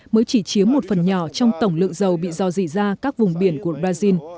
mới chỉ chiếm một phần nhỏ trong tổng lượng dầu bị dò dỉ ra các vùng biển của brazil